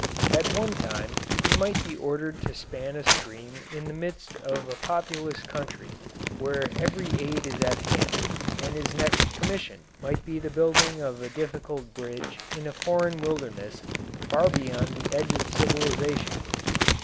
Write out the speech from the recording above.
At one time he might be ordered to span a stream in the midst of a populous country where every aid is at hand, and his next commission might be the building of a difficult bridge in a foreign wilderness far beyond the edge of civilisation.